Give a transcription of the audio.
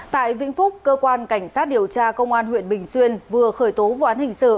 tại vĩnh phúc cơ quan cảnh sát điều tra công an huyện bình xuyên vừa khởi tố vụ án hình sự